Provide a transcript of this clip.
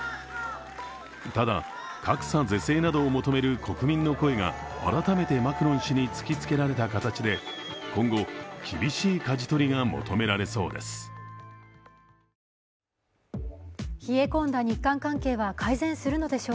ただ、格差是正などを求める国民の声が改めてマクロン氏に突きつけられた形で今後、厳しいかじ取りが求められそうです。